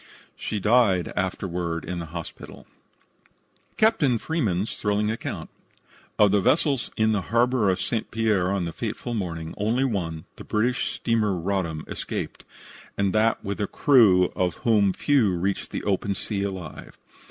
She died afterward in the hospital. CAPTAIN FREEMAN'S THRILLING ACCOUNT Of the vessels in the harbor of St. Pierre on the fateful morning, only one, the British steamer Roddam, escaped, and that with a crew of whom few reached the open sea alive.